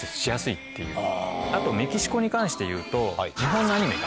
あとメキシコに関していうと。